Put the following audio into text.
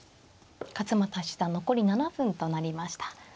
勝又七段残り７分となりました。